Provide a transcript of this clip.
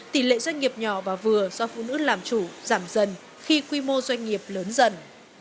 tỷ lệ doanh nghiệp nhỏ và vừa do phụ nữ làm chủ giảm dần khi quy mô doanh nghiệp lớn dần